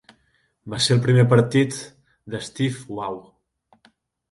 Va ser el primer partit de Steve Waugh.